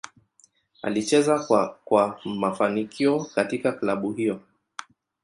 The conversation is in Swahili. Alicheza kwa kwa mafanikio katika klabu hiyo.